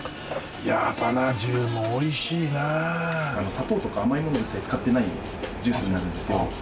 砂糖とか甘いものを一切使ってないジュースになるんですけど。